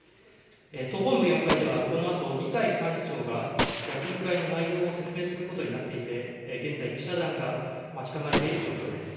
党本部４階ではこのあと二階幹事長が役員会の内容を説明することになっていて現在、記者団が待ち構えている状況です。